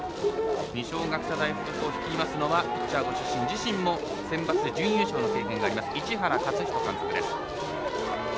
二松学舎大付属を率いるのはピッチャーとして自身もセンバツで経験があります市原勝人監督です。